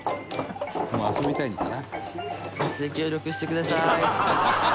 「もう遊びたいんだな」